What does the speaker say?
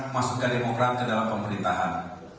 masukkan demokrat ke dalam pemerintahan